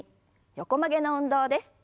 横曲げの運動です。